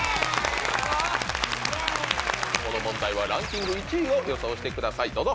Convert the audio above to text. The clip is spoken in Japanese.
この問題はランキング１位を予想してくださいどうぞ。